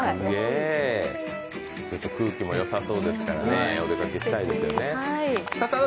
空気もよさそうですから、お出かけしたいですよね。